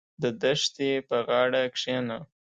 • د دښتې په غاړه کښېنه.